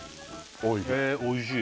おいしい